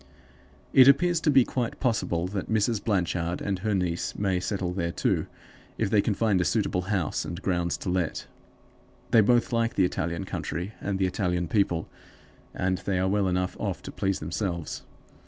It appears to be quite possible that Mrs. Blanchard and her niece may settle there, too, if they can find a suitable house and grounds to let. They both like the Italian country and the Italian people, and they are well enough off to please themselves.